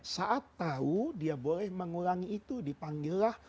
saat tahu dia boleh mengulangi itu dipanggillah